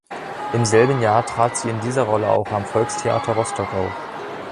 Im selben Jahr trat sie in dieser Rolle auch am Volkstheater Rostock auf.